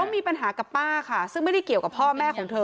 มีปัญหากับป้าค่ะซึ่งไม่ได้เกี่ยวกับพ่อแม่ของเธอ